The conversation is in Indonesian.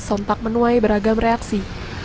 sontak menuai beragam reaksi